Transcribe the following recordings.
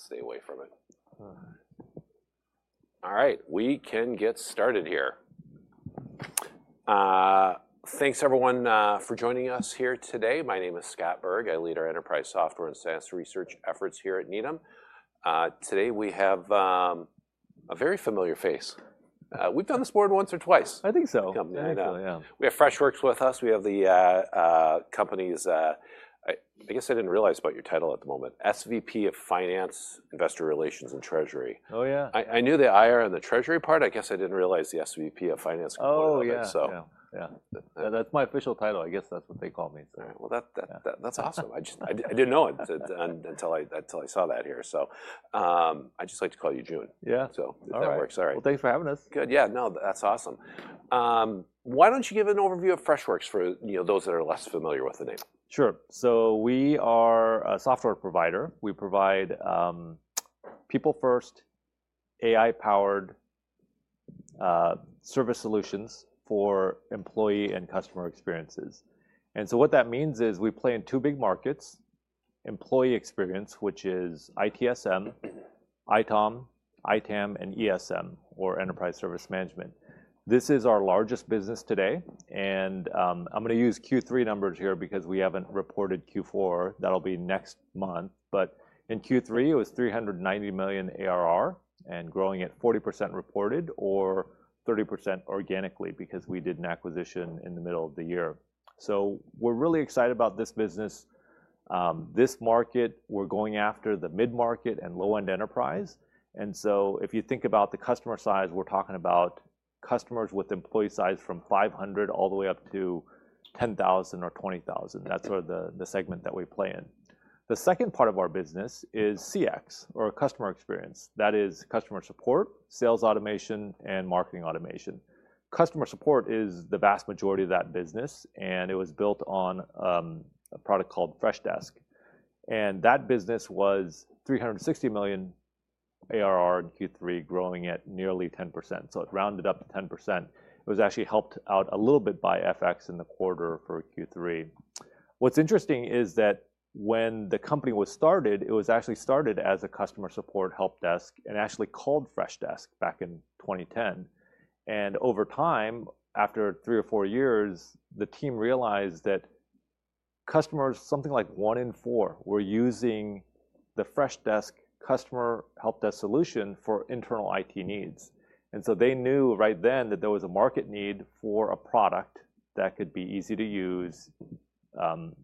I'll stay away from it. All right, we can get started here. Thanks, everyone, for joining us here today. My name is Scott Berg. I lead our enterprise software and SaaS research efforts here at Needham. Today we have a very familiar face. We've done this before once or twice. I think so. We have Freshworks with us. We have the company's (I guess I didn't realize about your title at the moment) SVP of Finance, Investor Relations, and Treasury. Oh, yeah. I knew the IR and the Treasury part. I guess I didn't realize the SVP of Finance. Oh, yeah. Yeah. That's my official title. I guess that's what they call me. Well, that's awesome. I didn't know it until I saw that here. So I just like to call you Joon. Yeah. So if that works. Thanks for having us. Good. Yeah. No, that's awesome. Why don't you give an overview of Freshworks for those that are less familiar with the name? Sure. So we are a software provider. We provide people-first, AI-powered service solutions for employee and customer experiences. And so what that means is we play in two big markets: employee experience, which is ITSM, ITOM, ITAM, and ESM, or Enterprise Service Management. This is our largest business today. And I'm going to use Q3 numbers here because we haven't reported Q4. That'll be next month. But in Q3, it was $390 million ARR and growing at 40% reported or 30% organically because we did an acquisition in the middle of the year. So we're really excited about this business. This market, we're going after the mid-market and low-end enterprise. And so if you think about the customer size, we're talking about customers with employee size from 500 all the way up to 10,000 or 20,000. That's sort of the segment that we play in. The second part of our business is CX, or customer experience. That is customer support, sales automation, and marketing automation. Customer support is the vast majority of that business, and it was built on a product called Freshdesk, and that business was $360 million ARR in Q3, growing at nearly 10%. So it rounded up to 10%, it was actually helped out a little bit by FX in the quarter for Q3. What's interesting is that when the company was started, it was actually started as a customer support help desk and actually called Freshdesk back in 2010, and over time, after three or four years, the team realized that customers, something like one in four, were using the Freshdesk customer help desk solution for internal IT needs. And so they knew right then that there was a market need for a product that could be easy to use,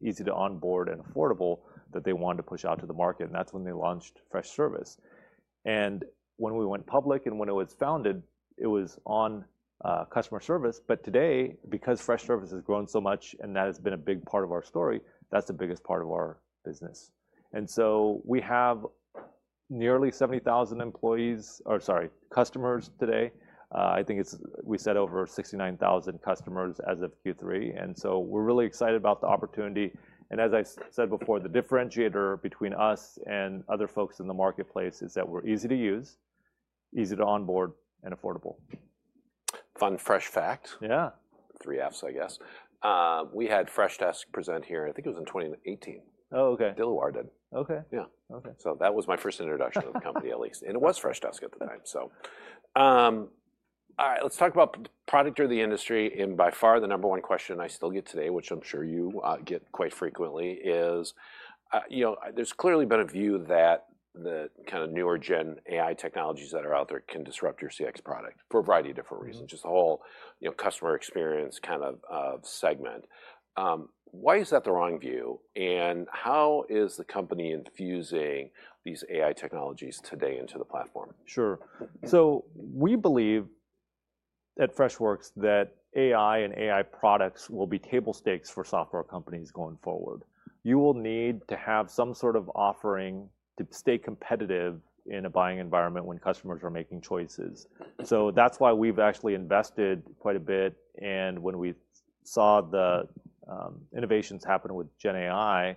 easy to onboard, and affordable that they wanted to push out to the market. And that's when they launched Freshservice. And when we went public and when it was founded, it was on customer service. But today, because Freshservice has grown so much and that has been a big part of our story, that's the biggest part of our business. And so we have nearly 70,000 employees or, sorry, customers today. I think we said over 69,000 customers as of Q3. And so we're really excited about the opportunity. And as I said before, the differentiator between us and other folks in the marketplace is that we're easy to use, easy to onboard, and affordable. Fun fresh fact. Yeah. Three Fs, I guess. We had Freshdesk present here, I think it was in 2018. Oh, okay. Dilawar did. Okay. Yeah. So that was my first introduction of the company, at least. And it was Freshdesk at the time, so. All right, let's talk about product or the industry. And by far, the number one question I still get today, which I'm sure you get quite frequently, is there's clearly been a view that the kind of newer-gen AI technologies that are out there can disrupt your CX product for a variety of different reasons, just the whole customer experience kind of segment. Why is that the wrong view? And how is the company infusing these AI technologies today into the platform? Sure. We believe at Freshworks that AI and AI products will be table stakes for software companies going forward. You will need to have some sort of offering to stay competitive in a buying environment when customers are making choices. That's why we've actually invested quite a bit, and when we saw the innovations happen with GenAI,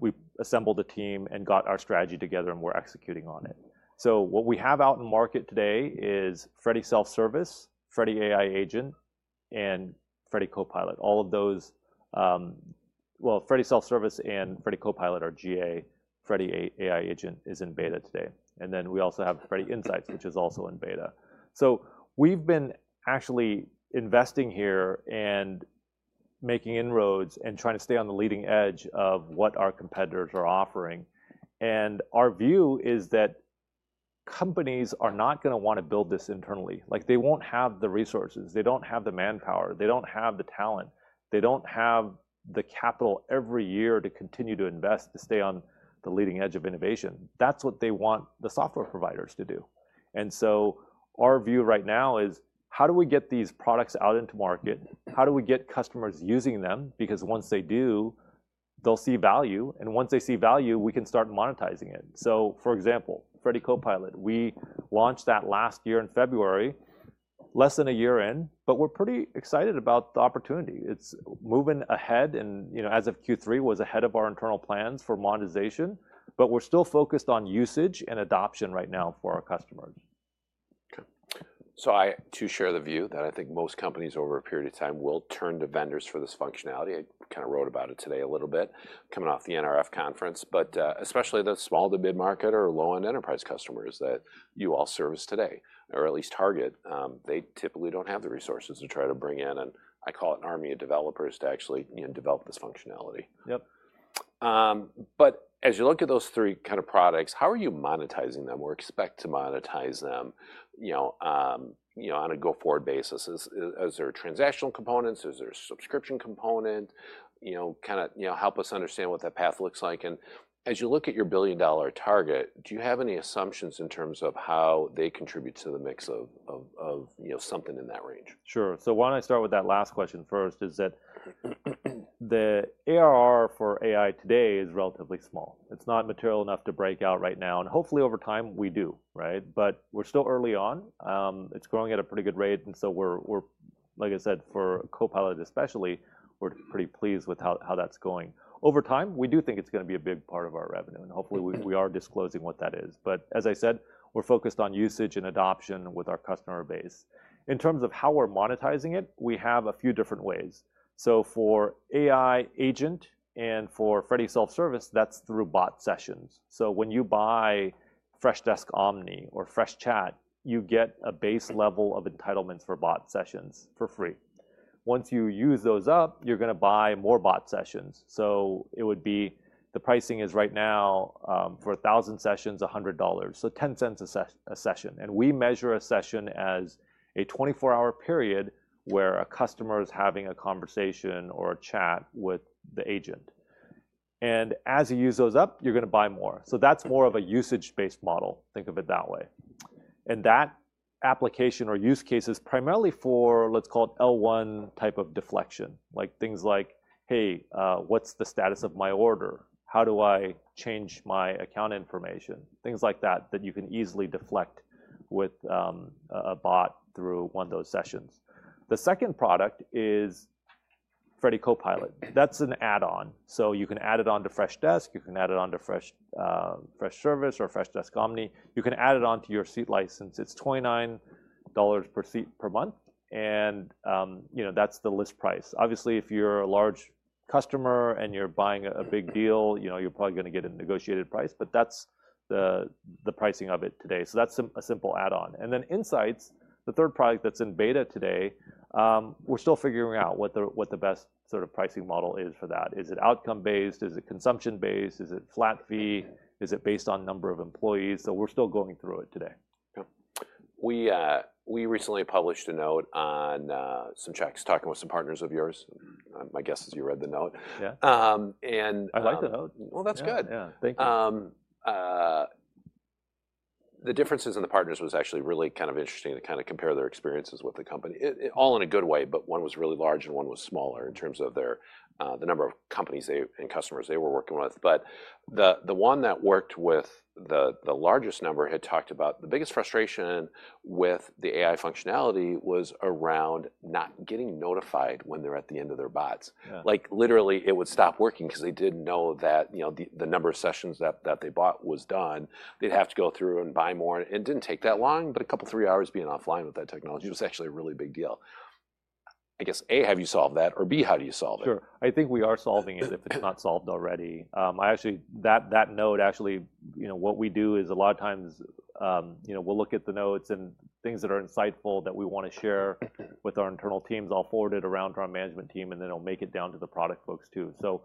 we assembled a team and got our strategy together, and we're executing on it, so what we have out in the market today is Freddy Self-Service, Freddy AI Agent, and Freddy Copilot. All of those, well, Freddy Self-Service and Freddy Copilot are GA. Freddy AI Agent is in beta today, and then we also have Freddy Insights, which is also in beta. We've been actually investing here and making inroads and trying to stay on the leading edge of what our competitors are offering. Our view is that companies are not going to want to build this internally. They won't have the resources. They don't have the manpower. They don't have the talent. They don't have the capital every year to continue to invest, to stay on the leading edge of innovation. That's what they want the software providers to do. Our view right now is, how do we get these products out into market? How do we get customers using them? Because once they do, they'll see value. Once they see value, we can start monetizing it. For example, Freddy Copilot, we launched that last year in February, less than a year in, but we're pretty excited about the opportunity. It's moving ahead. As of Q3, it was ahead of our internal plans for monetization, but we're still focused on usage and adoption right now for our customers. Okay. So I too share the view that I think most companies over a period of time will turn to vendors for this functionality. I kind of wrote about it today a little bit coming off the NRF conference, but especially the small to mid-market or low-end enterprise customers that you all service today, or at least target, they typically don't have the resources to try to bring in, and I call it an army of developers to actually develop this functionality. Yep. But as you look at those three kind of products, how are you monetizing them or expect to monetize them on a go-forward basis? Is there a transactional component? Is there a subscription component? Kind of help us understand what that path looks like? And as you look at your billion-dollar target, do you have any assumptions in terms of how they contribute to the mix of something in that range? Sure. So why don't I start with that last question first, is that the ARR for AI today is relatively small. It's not material enough to break out right now. And hopefully over time, we do, right? But we're still early on. It's growing at a pretty good rate. And so we're, like I said, for Copilot especially, we're pretty pleased with how that's going. Over time, we do think it's going to be a big part of our revenue. And hopefully we are disclosing what that is. But as I said, we're focused on usage and adoption with our customer base. In terms of how we're monetizing it, we have a few different ways. So for AI Agent and for Freddy Self-Service, that's through bot sessions. So when you buy Freshdesk Omni or Freshchat, you get a base level of entitlements for bot sessions for free. Once you use those up, you're going to buy more bot sessions. So it would be the pricing is right now for 1,000 sessions, $100, so $0.10 a session. And we measure a session as a 24-hour period where a customer is having a conversation or a chat with the agent. And as you use those up, you're going to buy more. So that's more of a usage-based model. Think of it that way. And that application or use case is primarily for, let's call it, L1 type of deflection, like things like, "Hey, what's the status of my order? How do I change my account information?" Things like that that you can easily deflect with a bot through one of those sessions. The second product is Freddy Copilot. That's an add-on. So you can add it onto Freshdesk. You can add it onto Freshservice or Freshdesk Omni. You can add it onto your seat license. It's $29 per seat per month. And that's the list price. Obviously, if you're a large customer and you're buying a big deal, you're probably going to get a negotiated price, but that's the pricing of it today. So that's a simple add-on. And then Insights, the third product that's in beta today, we're still figuring out what the best sort of pricing model is for that. Is it outcome-based? Is it consumption-based? Is it flat fee? Is it based on number of employees? So we're still going through it today. We recently published a note on some checks talking with some partners of yours. My guess is you read the note. Yeah. I like the note. That's good. Yeah. Thank you. The differences in the partners was actually really kind of interesting to kind of compare their experiences with the company. All in a good way, but one was really large and one was smaller in terms of the number of companies and customers they were working with. But the one that worked with the largest number had talked about the biggest frustration with the AI functionality was around not getting notified when they're at the end of their bots. Literally, it would stop working because they didn't know that the number of sessions that they bought was done. They'd have to go through and buy more. It didn't take that long, but a couple of three hours being offline with that technology was actually a really big deal. I guess, A, have you solved that? Or B, how do you solve it? Sure. I think we are solving it if it's not solved already. Actually, that note, what we do is a lot of times we'll look at the notes and things that are insightful that we want to share with our internal teams. I'll forward it around to our management team, and then it'll make it down to the product folks too. So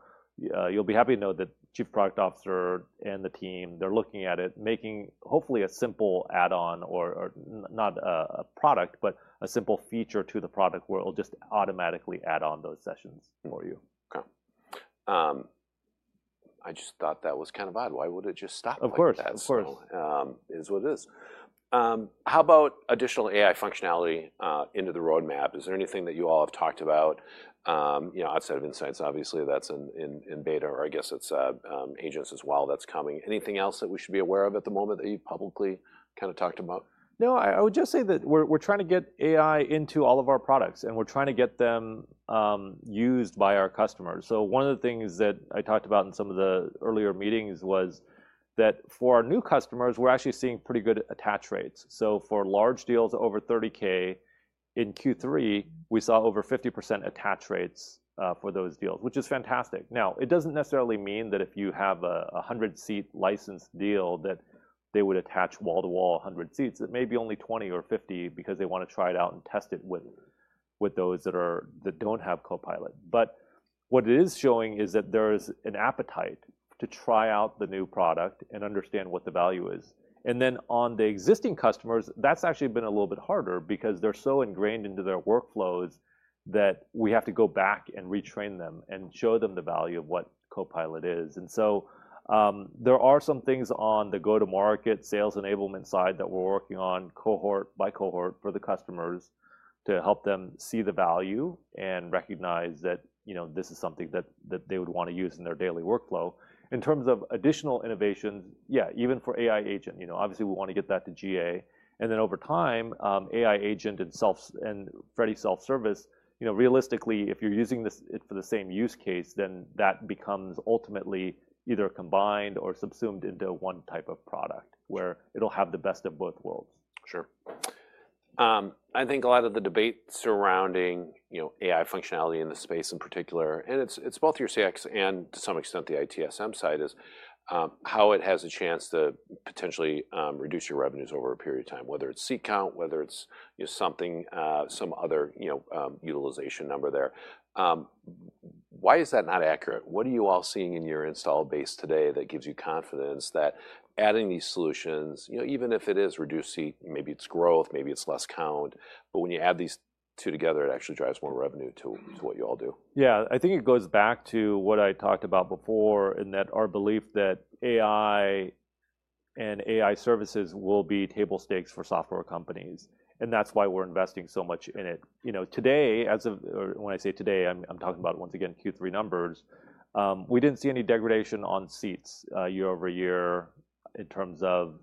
you'll be happy to know that Chief Product Officer and the team, they're looking at it, making hopefully a simple add-on or not a product, but a simple feature to the product where it'll just automatically add on those sessions for you. Okay. I just thought that was kind of odd. Why would it just stop like that? Of course. Of course. Is what it is. How about additional AI functionality into the roadmap? Is there anything that you all have talked about? Outside of Insights, obviously, that's in beta, or I guess it's Agents as well that's coming. Anything else that we should be aware of at the moment that you've publicly kind of talked about? No, I would just say that we're trying to get AI into all of our products, and we're trying to get them used by our customers. So one of the things that I talked about in some of the earlier meetings was that for our new customers, we're actually seeing pretty good attach rates. So for large deals over $30K in Q3, we saw over 50% attach rates for those deals, which is fantastic. Now, it doesn't necessarily mean that if you have a 100-seat licensed deal that they would attach wall-to-wall 100 seats. It may be only 20 or 50 because they want to try it out and test it with those that don't have Copilot. But what it is showing is that there is an appetite to try out the new product and understand what the value is. And then on the existing customers, that's actually been a little bit harder because they're so ingrained into their workflows that we have to go back and retrain them and show them the value of what Copilot is. And so there are some things on the go-to-market sales enablement side that we're working on cohort by cohort for the customers to help them see the value and recognize that this is something that they would want to use in their daily workflow. In terms of additional innovations, yeah, even for AI Agent, obviously we want to get that to GA. And then over time, AI Agent and Freddy Self-Service, realistically, if you're using it for the same use case, then that becomes ultimately either combined or subsumed into one type of product where it'll have the best of both worlds. Sure. I think a lot of the debate surrounding AI functionality in the space in particular, and it's both your CX and to some extent the ITSM side, is how it has a chance to potentially reduce your revenues over a period of time, whether it's seat count, whether it's something, some other utilization number there. Why is that not accurate? What are you all seeing in your installed base today that gives you confidence that adding these solutions, even if it is reduced seat, maybe it's growth, maybe it's less count, but when you add these two together, it actually drives more revenue to what you all do? Yeah. I think it goes back to what I talked about before and that our belief that AI and AI services will be table stakes for software companies. And that's why we're investing so much in it. Today, as of when I say today, I'm talking about once again Q3 numbers, we didn't see any degradation on seats year-over-year in terms of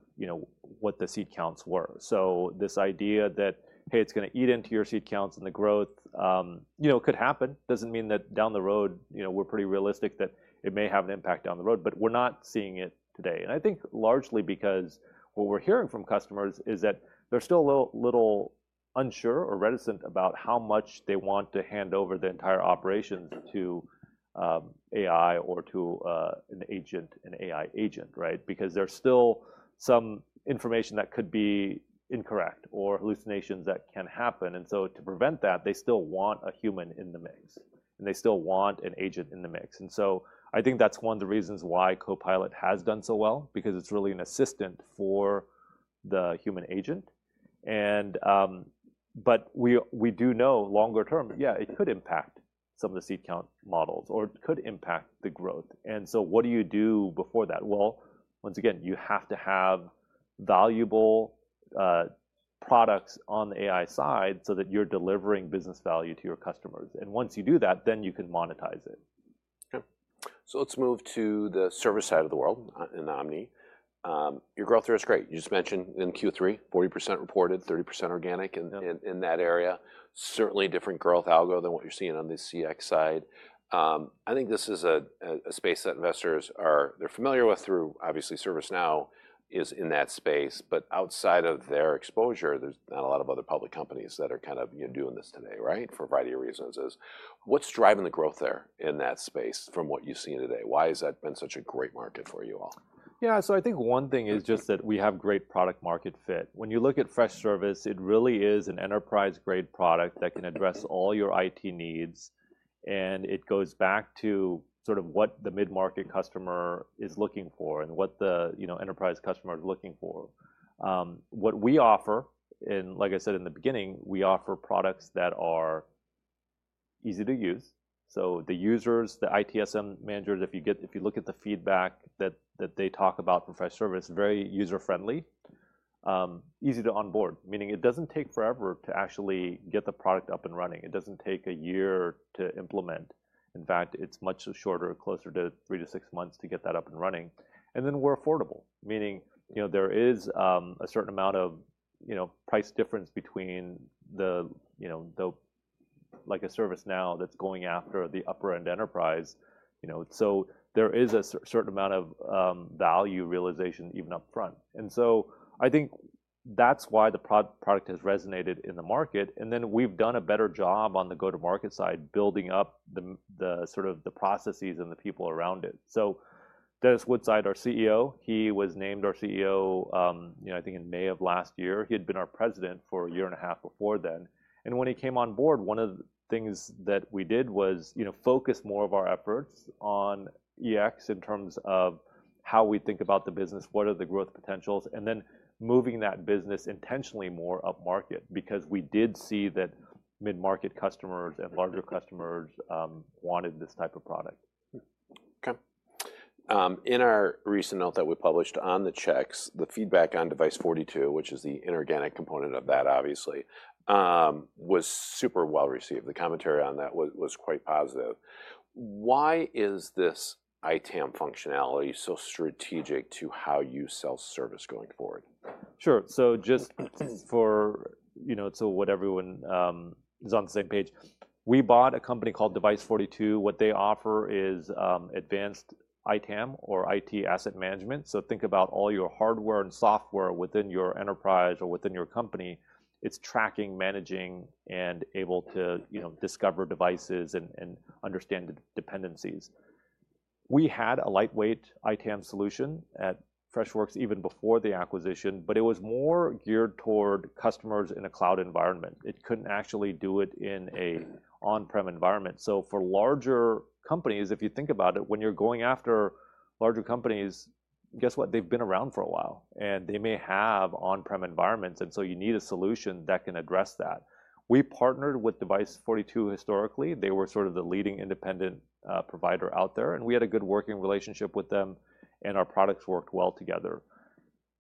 what the seat counts were. So this idea that, hey, it's going to eat into your seat counts and the growth could happen doesn't mean that down the road we're pretty realistic that it may have an impact down the road, but we're not seeing it today. I think largely because what we're hearing from customers is that they're still a little unsure or reticent about how much they want to hand over the entire operations to AI or to an agent, an AI agent, right? Because there's still some information that could be incorrect or hallucinations that can happen. And so to prevent that, they still want a human in the mix, and they still want an agent in the mix. And so I think that's one of the reasons why Copilot has done so well, because it's really an assistant for the human agent. But we do know longer term, yeah, it could impact some of the seat count models or it could impact the growth. And so what do you do before that? Once again, you have to have valuable products on the AI side so that you're delivering business value to your customers, and once you do that, then you can monetize it. Okay. So let's move to the service side of the world in Omni. Your growth there is great. You just mentioned in Q3, 40% reported, 30% organic in that area. Certainly a different growth algo than what you're seeing on the CX side. I think this is a space that investors are familiar with through, obviously, ServiceNow is in that space, but outside of their exposure, there's not a lot of other public companies that are kind of doing this today, right, for a variety of reasons. What's driving the growth there in that space from what you've seen today? Why has that been such a great market for you all? Yeah. I think one thing is just that we have great product-market fit. When you look at Freshservice, it really is an enterprise-grade product that can address all your IT needs. It goes back to sort of what the mid-market customer is looking for and what the enterprise customer is looking for. What we offer, and like I said in the beginning, we offer products that are easy to use. The users, the ITSM managers, if you look at the feedback that they talk about for Freshservice, very user-friendly, easy to onboard, meaning it doesn't take forever to actually get the product up and running. It doesn't take a year to implement. In fact, it's much shorter, closer to three to six months to get that up and running. And then we're affordable, meaning there is a certain amount of price difference between, like, a ServiceNow that's going after the upper-end enterprise. So there is a certain amount of value realization even upfront. And so I think that's why the product has resonated in the market. And then we've done a better job on the go-to-market side building up the sort of the processes and the people around it. So Dennis Woodside, our CEO, he was named our CEO, I think in May of last year. He had been our president for a year and a half before then. When he came on board, one of the things that we did was focus more of our efforts on EX in terms of how we think about the business, what are the growth potentials, and then moving that business intentionally more up market because we did see that mid-market customers and larger customers wanted this type of product. Okay. In our recent note that we published on the checks, the feedback on Device42, which is the inorganic component of that, obviously, was super well received. The commentary on that was quite positive. Why is this ITAM functionality so strategic to how you sell service going forward? Sure. So just so that everyone is on the same page, we bought a company called Device42. What they offer is advanced ITAM or IT asset management. So think about all your hardware and software within your enterprise or within your company. It's tracking, managing, and able to discover devices and understand the dependencies. We had a lightweight ITAM solution at Freshworks even before the acquisition, but it was more geared toward customers in a cloud environment. It couldn't actually do it in an on-prem environment. So for larger companies, if you think about it, when you're going after larger companies, guess what? They've been around for a while, and they may have on-prem environments. And so you need a solution that can address that. We partnered with Device42 historically. They were sort of the leading independent provider out there, and we had a good working relationship with them, and our products worked well together.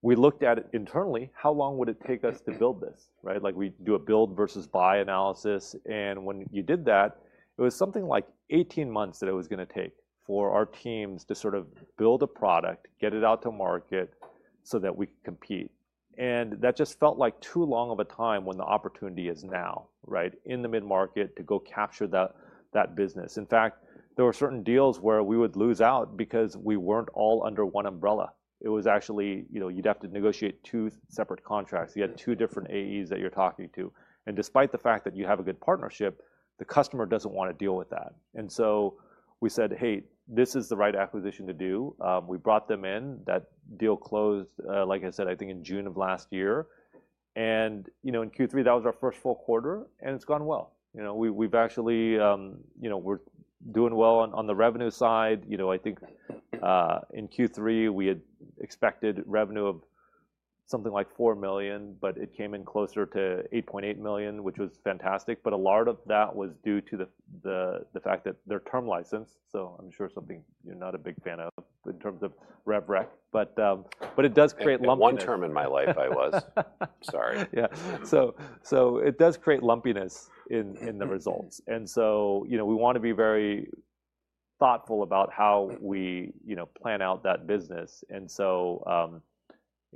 We looked at it internally, how long would it take us to build this, right? Like we do a build versus buy analysis. And when you did that, it was something like 18 months that it was going to take for our teams to sort of build a product, get it out to market so that we could compete. And that just felt like too long of a time when the opportunity is now, right, in the mid-market to go capture that business. In fact, there were certain deals where we would lose out because we weren't all under one umbrella. It was actually you'd have to negotiate two separate contracts. You had two different AEs that you're talking to. And despite the fact that you have a good partnership, the customer doesn't want to deal with that. And so we said, "Hey, this is the right acquisition to do." We brought them in. That deal closed, like I said, I think in June of last year. And in Q3, that was our first full quarter, and it's gone well. We've actually. We're doing well on the revenue side. I think in Q3, we had expected revenue of something like $4 million, but it came in closer to $8.8 million, which was fantastic. But a lot of that was due to the fact that they're term licensed. So I'm sure something you're not a big fan of in terms of RevRec, but it does create lumpiness. One time in my life, I was. Sorry. Yeah. So it does create lumpiness in the results. And so we want to be very thoughtful about how we plan out that business. And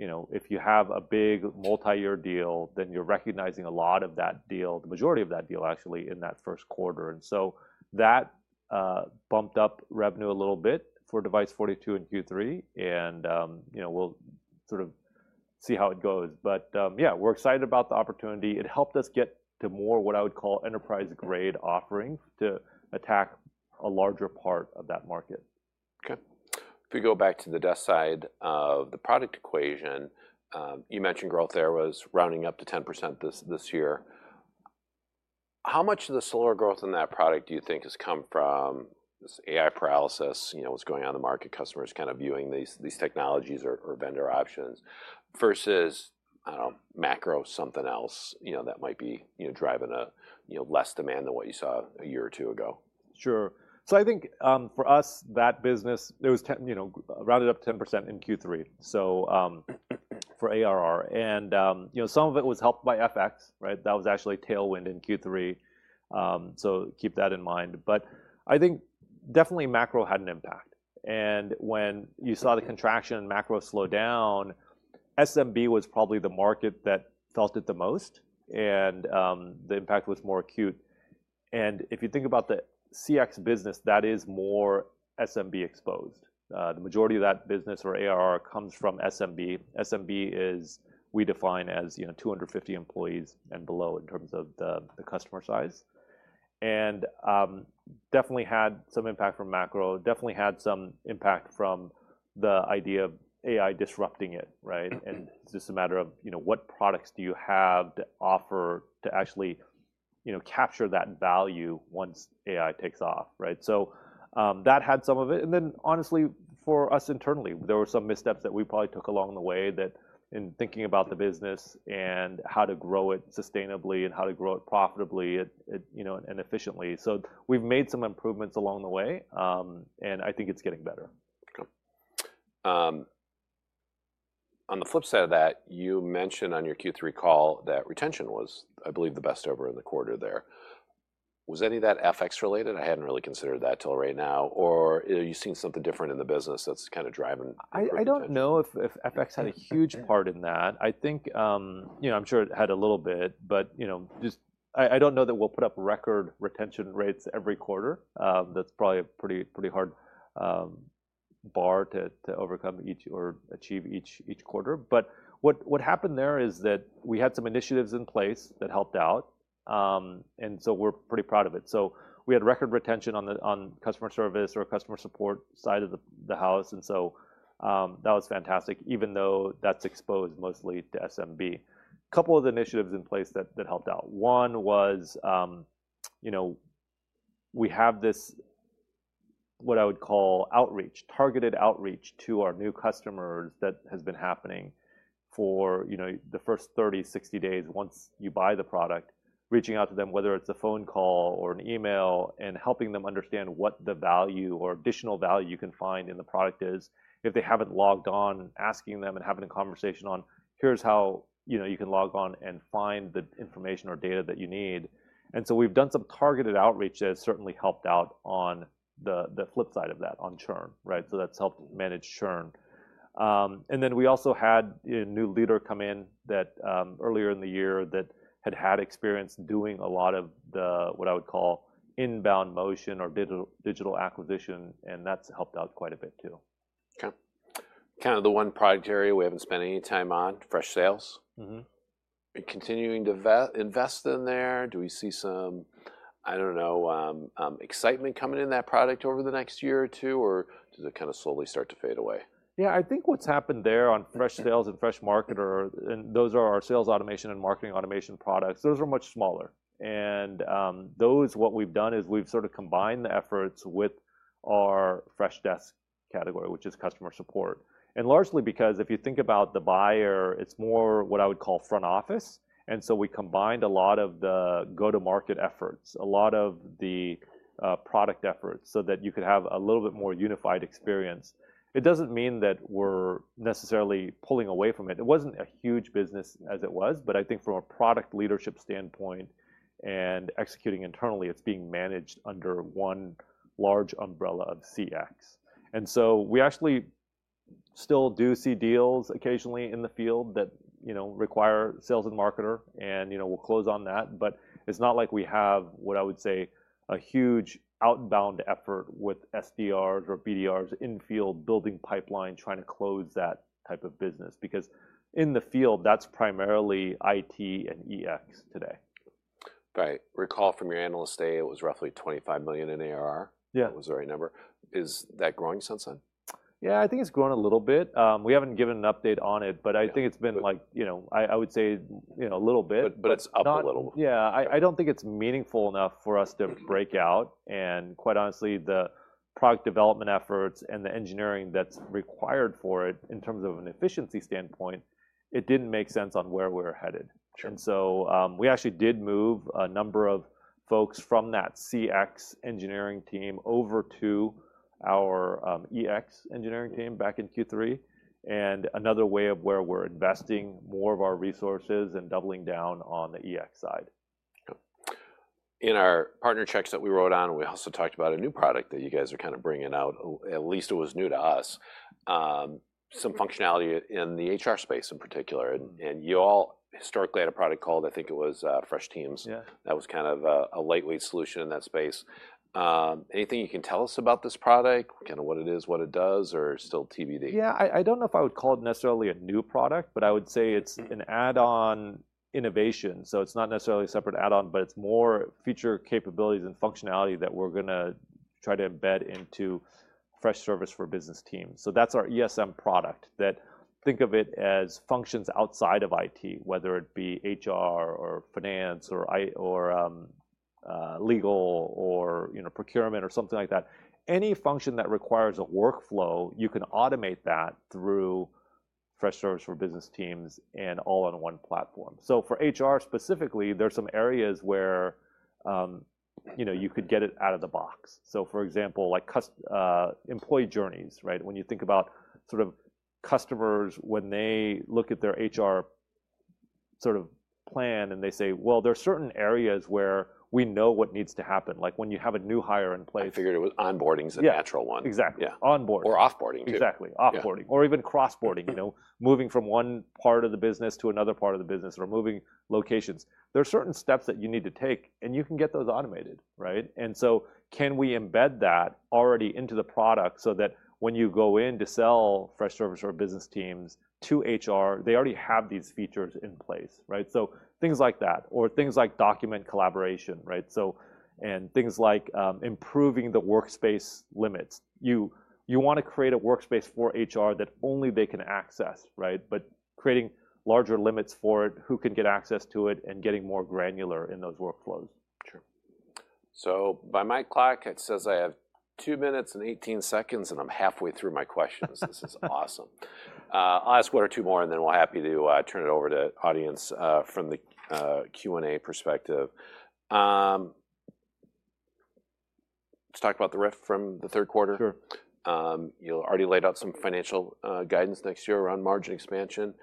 so if you have a big multi-year deal, then you're recognizing a lot of that deal, the majority of that deal actually in that first quarter. And so that bumped up revenue a little bit for Device42 in Q3, and we'll sort of see how it goes. But yeah, we're excited about the opportunity. It helped us get to more what I would call enterprise-grade offerings to attack a larger part of that market. Okay. If we go back to the Freshdesk side of the product equation, you mentioned growth there was rounding up to 10% this year. How much of the slower growth in that product do you think has come from this AI paralysis, what's going on in the market, customers kind of viewing these technologies or vendor options versus, I don't know, macro something else that might be driving less demand than what you saw a year or two ago? Sure. So I think for us, that business, it was rounded up 10% in Q3, so for ARR. And some of it was helped by FX, right? That was actually tailwind in Q3. So keep that in mind. But I think definitely macro had an impact. And when you saw the contraction and macro slowed down, SMB was probably the market that felt it the most, and the impact was more acute. And if you think about the CX business, that is more SMB exposed. The majority of that business or ARR comes from SMB. SMB is we define as 250 employees and below in terms of the customer size. And definitely had some impact from macro, definitely had some impact from the idea of AI disrupting it, right? It's just a matter of what products do you have to offer to actually capture that value once AI takes off, right? That had some of it. Honestly, for us internally, there were some missteps that we probably took along the way that in thinking about the business and how to grow it sustainably and how to grow it profitably and efficiently. We've made some improvements along the way, and I think it's getting better. Okay. On the flip side of that, you mentioned on your Q3 call that retention was, I believe, the best ever in the quarter there. Was any of that FX-related? I hadn't really considered that till right now. Or are you seeing something different in the business that's kind of driving? I don't know if FX had a huge part in that. I think I'm sure it had a little bit, but I don't know that we'll put up record retention rates every quarter. That's probably a pretty hard bar to overcome each or achieve each quarter. But what happened there is that we had some initiatives in place that helped out, and so we're pretty proud of it. So we had record retention on customer service or customer support side of the house. And so that was fantastic, even though that's exposed mostly to SMB. A couple of initiatives in place that helped out. One was we have this, what I would call outreach, targeted outreach to our new customers that has been happening for the first 30, 60 days once you buy the product, reaching out to them, whether it's a phone call or an email, and helping them understand what the value or additional value you can find in the product is. If they haven't logged on, asking them and having a conversation on, "Here's how you can log on and find the information or data that you need." And so we've done some targeted outreach that has certainly helped out on the flip side of that on churn, right? So that's helped manage churn. And then we also had a new leader come in earlier in the year that had had experience doing a lot of the what I would call inbound motion or digital acquisition, and that's helped out quite a bit too. Okay. Kind of the one product area we haven't spent any time on, Freshsales. Are you continuing to invest in there? Do we see some, I don't know, excitement coming in that product over the next year or two, or does it kind of slowly start to fade away? Yeah, I think what's happened there on Freshsales and Freshmarketer, and those are our sales automation and marketing automation products. Those are much smaller. And those, what we've done is we've sort of combined the efforts with our Freshdesk category, which is customer support. And largely because if you think about the buyer, it's more what I would call front office. And so we combined a lot of the go-to-market efforts, a lot of the product efforts so that you could have a little bit more unified experience. It doesn't mean that we're necessarily pulling away from it. It wasn't a huge business as it was, but I think from a product leadership standpoint and executing internally, it's being managed under one large umbrella of CX. And so we actually still do see deals occasionally in the field that require Freshsales and Freshmarketer, and we'll close on that. But it's not like we have what I would say a huge outbound effort with SDRs or BDRs in field building pipeline trying to close that type of business because in the field, that's primarily IT and EX today. Right. Recall from your analyst day, it was roughly $25 million in ARR. Was that a number? Is that growing, since then? Yeah, I think it's grown a little bit. We haven't given an update on it, but I think it's been like, I would say a little bit. But it's up a little. Yeah. I don't think it's meaningful enough for us to break out. And quite honestly, the product development efforts and the engineering that's required for it in terms of an efficiency standpoint, it didn't make sense on where we were headed. And so we actually did move a number of folks from that CX engineering team over to our EX engineering team back in Q3, and another way of where we're investing more of our resources and doubling down on the EX side. In our partner checks that we wrote on, we also talked about a new product that you guys are kind of bringing out. At least it was new to us, some functionality in the HR space in particular, and you all historically had a product called, I think it was Freshteams. That was kind of a lightweight solution in that space. Anything you can tell us about this product, kind of what it is, what it does, or still TBD? Yeah, I don't know if I would call it necessarily a new product, but I would say it's an add-on innovation. So it's not necessarily a separate add-on, but it's more feature capabilities and functionality that we're going to try to embed into Freshservice for Business Teams. So that's our ESM product that think of it as functions outside of IT, whether it be HR or finance or legal or procurement or something like that. Any function that requires a workflow, you can automate that through Freshservice for Business Teams and all on one platform. So for HR specifically, there are some areas where you could get it out of the box. So for example, like employee journeys, right? When you think about sort of customers, when they look at their HR sort of plan and they say, "Well, there are certain areas where we know what needs to happen." Like when you have a new hire in place. I figured it was. Onboarding is a natural one. Yeah, exactly. Onboarding. Or offboarding too. Exactly. Offboarding or even crossboarding, moving from one part of the business to another part of the business or moving locations. There are certain steps that you need to take, and you can get those automated, right, and so can we embed that already into the product so that when you go in to sell Freshservice for Business Teams to HR, they already have these features in place, right? So things like that or things like document collaboration, right, and things like improving the workspace limits. You want to create a workspace for HR that only they can access, right, but creating larger limits for it, who can get access to it, and getting more granular in those workflows. Sure. So by my clock, it says I have two minutes and 18 seconds, and I'm halfway through my questions. This is awesome. I'll ask one or two more, and then we'll be happy to turn it over to the audience from the Q&A perspective. Let's talk about the RIF from the third quarter. You already laid out some financial guidance next year around margin expansion.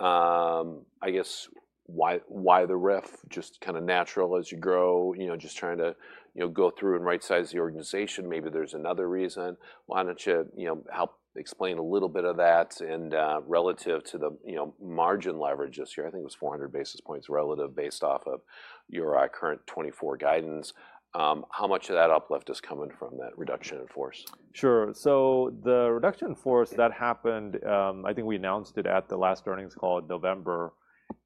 I guess why the RIF? Just kind of natural as you grow, just trying to go through and right-size the organization. Maybe there's another reason. Why don't you help explain a little bit of that relative to the margin leverage this year? I think it was 400 basis points relative based off of your current 2024 guidance. How much of that uplift is coming from that reduction in force? Sure. So the reduction in force that happened, I think we announced it at the last earnings call in November,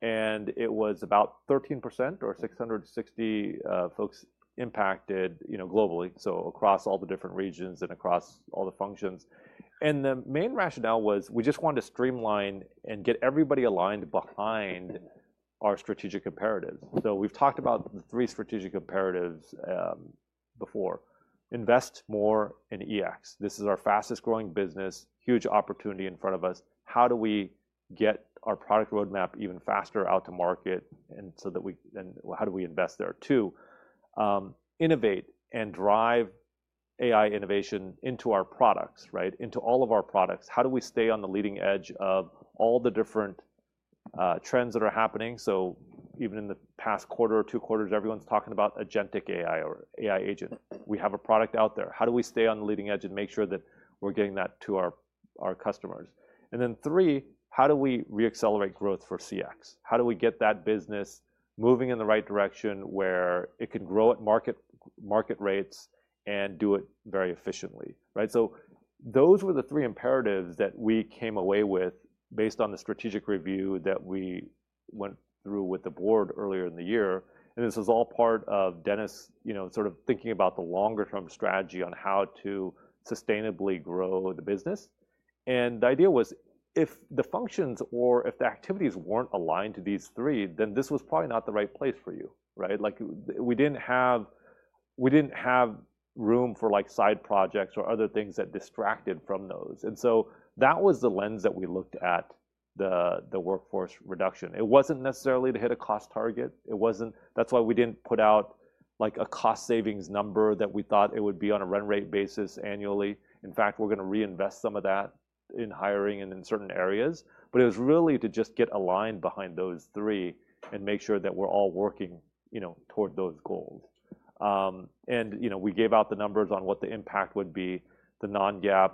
and it was about 13% or 660 folks impacted globally, so across all the different regions and across all the functions. And the main rationale was we just wanted to streamline and get everybody aligned behind our strategic imperatives. So we've talked about the three strategic imperatives before. Invest more in EX. This is our fastest growing business, huge opportunity in front of us. How do we get our product roadmap even faster out to market? And so that we then how do we invest there too? Innovate and drive AI innovation into our products, right? Into all of our products. How do we stay on the leading edge of all the different trends that are happening? So even in the past quarter or two quarters, everyone's talking about agentic AI or AI agent. We have a product out there. How do we stay on the leading edge and make sure that we're getting that to our customers? And then three, how do we re-accelerate growth for CX? How do we get that business moving in the right direction where it can grow at market rates and do it very efficiently, right? So those were the three imperatives that we came away with based on the strategic review that we went through with the board earlier in the year. And this was all part of Dennis sort of thinking about the longer-term strategy on how to sustainably grow the business. And the idea was if the functions or if the activities weren't aligned to these three, then this was probably not the right place for you, right? We didn't have room for side projects or other things that distracted from those. And so that was the lens that we looked at the workforce reduction. It wasn't necessarily to hit a cost target. That's why we didn't put out a cost savings number that we thought it would be on a run rate basis annually. In fact, we're going to reinvest some of that in hiring and in certain areas. But it was really to just get aligned behind those three and make sure that we're all working toward those goals. And we gave out the numbers on what the impact would be. The non-GAAP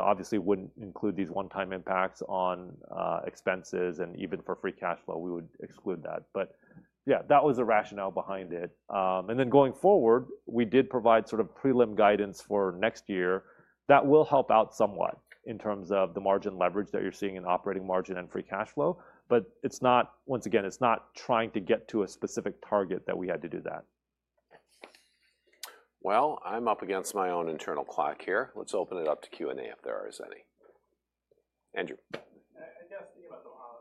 obviously wouldn't include these one-time impacts on expenses, and even for free cash flow, we would exclude that. But yeah, that was the rationale behind it. And then going forward, we did provide sort of prelim guidance for next year. That will help out somewhat in terms of the margin leverage that you're seeing in operating margin and free cash flow. But once again, it's not trying to get to a specific target that we had to do that. I'm up against my own internal clock here. Let's open it up to Q&A if there is any. Andrew. I guess, thinking about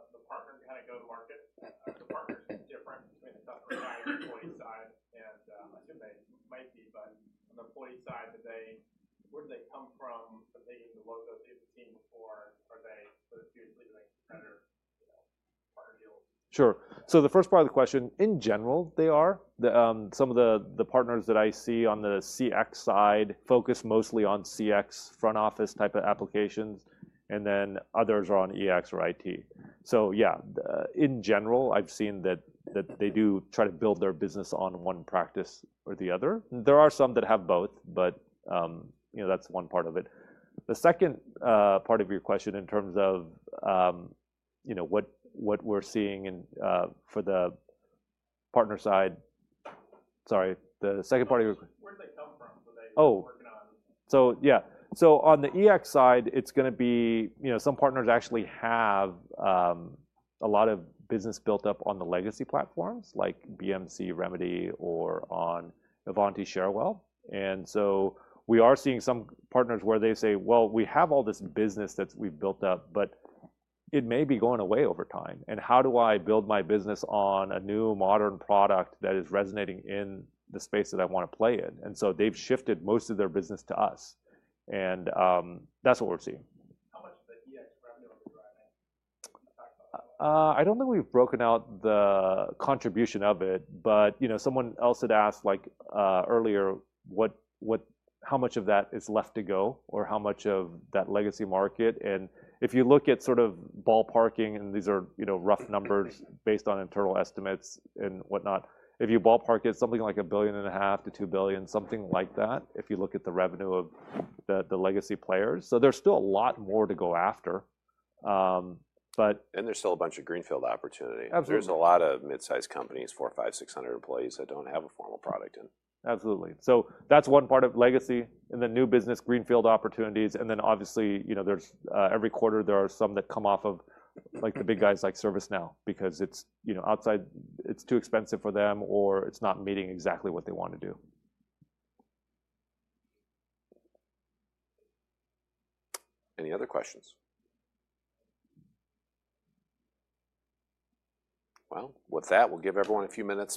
the partners behind the go-to-market, the partners are different between the customer side and employee side, and I assume they might be, but on the employee side, where do they come from? Were they in the logo team before? Are they hugely competitor partner deals? Sure. So the first part of the question, in general, they are. Some of the partners that I see on the CX side focus mostly on CX front office type of applications, and then others are on EX or IT. So yeah, in general, I've seen that they do try to build their business on one practice or the other. There are some that have both, but that's one part of it. The second part of your question in terms of what we're seeing for the partner side, sorry, the second part of your question. Where do they come from? What are they working on? Yeah. On the EX side, it's going to be some partners actually have a lot of business built up on the legacy platforms like BMC Remedy or on Ivanti Cherwell. We are seeing some partners where they say, "Well, we have all this business that we've built up, but it may be going away over time. How do I build my business on a new modern product that is resonating in the space that I want to play in?" They've shifted most of their business to us. That's what we're seeing. How much of the EX revenue are they driving? I don't think we've broken out the contribution of it, but someone else had asked earlier how much of that is left to go or how much of that legacy market. If you look at sort of ballparking, and these are rough numbers based on internal estimates and whatnot, if you ballpark it, something like $1.5 billion-$2 billion, something like that, if you look at the revenue of the legacy players. There's still a lot more to go after, but. There's still a bunch of greenfield opportunity. There's a lot of mid-sized companies, 400, 500, 600 employees that don't have a formal product in. Absolutely, so that's one part of legacy and the new business greenfield opportunities, and then obviously, every quarter, there are some that come off of the big guys like ServiceNow because it's outside, it's too expensive for them, or it's not meeting exactly what they want to do. Any other questions? Well, with that, we'll give everyone a few minutes.